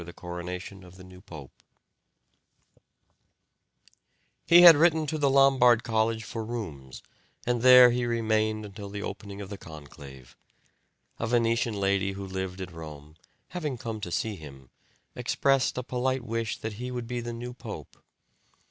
[*] He had written to the Lombard College for rooms, and there he remained until the opening of the conclave. A Venetian lady who lived at Rome, having come to see him, expressed a polite wish that he would be the new pope.